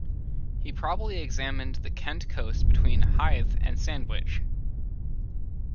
He probably examined the Kent coast between Hythe and Sandwich.